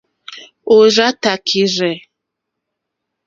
Òrzáā tākírzɛ́.